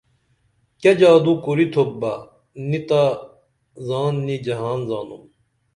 کیہ جادو کُریتُھوپ بہ نی تہ زان نی جہان زانُم